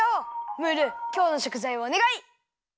ムールきょうのしょくざいをおねがい！